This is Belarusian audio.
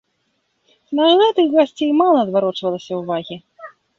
На гэтых гасцей мала зварочвалася ўвагі.